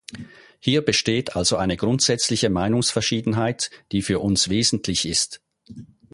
Hier besteht also eine grundsätzliche Meinungsverschiedenheit, die für uns wesentlich ist.